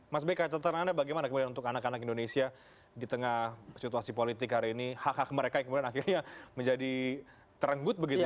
mas beka catatan anda bagaimana kemudian untuk anak anak indonesia di tengah situasi politik hari ini hak hak mereka yang kemudian akhirnya menjadi terenggut begitu ya